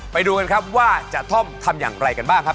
ไปดูกันครับว่าจะท่อมทำอย่างไรกันบ้างครับ